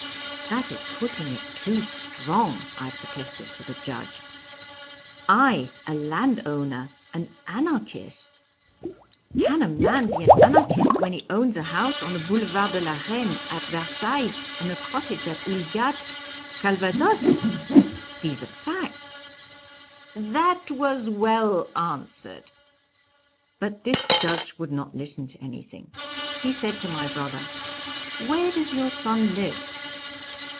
'That is putting it too strong,' I protested to the Judge, 'I, a landowner, an Anarchist! Can a man be an Anarchist when he owns a house on the Boulevard de la Reine at Versailles and a cottage at Houlgate, Calvados? These are facts.'" "That was well answered." "But this Judge would not listen to anything. He said to my brother, 'Where does your son live?'